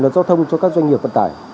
lần giao thông cho các doanh nghiệp vận tải